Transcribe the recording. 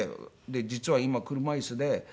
「実は今車椅子で」。